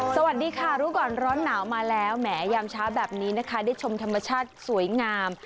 สวัสดีค่ะรู้ก่อนร้อนหนาวมาแล้วแหมยามเช้าแบบนี้นะคะได้ชมธรรมชาติสวยงาม